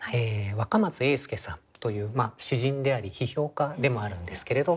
若松英輔さんという詩人であり批評家でもあるんですけれど。